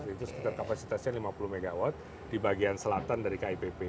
itu sekitar kapasitasnya lima puluh mw di bagian selatan dari kipp